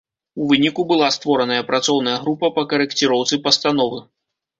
У выніку была створаная працоўная група па карэкціроўцы пастановы.